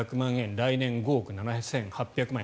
来年５億７８００万円